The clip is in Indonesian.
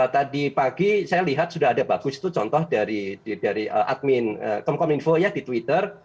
tadi pagi saya lihat sudah ada bagus itu contoh dari admin kemkominfo ya di twitter